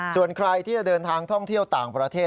ส่วนใครที่จะเดินทางท่องเที่ยวต่างประเทศ